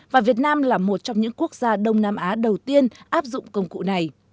và việt nam là một trong những quốc gia đông nam á đầu tiên áp dụng công cụ này